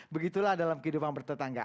begitulah dalam kehidupan bertetangga